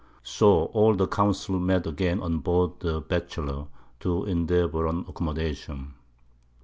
So all the Council met again on board the Batchelor, to endeavour an Accommodation.